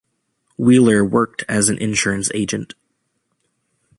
Wheeler worked as an insurance agent.